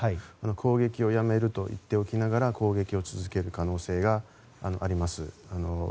攻撃をやめると言っておきながら攻撃を続ける可能性があります。